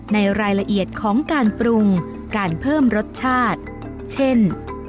ในรายละเอียดของการปรุงการเพิ่มรสชาติเช่น